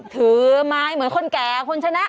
ถือไม้เหมือนคนแก่คุณชนะ